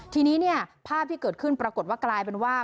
ทีนี้เนี่ยภาพที่เกิดขึ้นปรากฏว่ากลายเป็นว่า